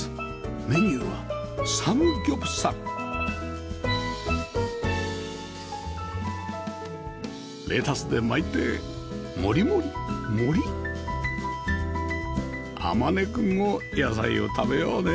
メニューはサムギョプサルレタスで巻いてモリモリモリッ舜君も野菜を食べようね